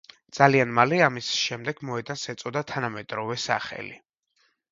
ძალიან მალე ამის შემდეგ მოედანს ეწოდა თანამედროვე სახელი.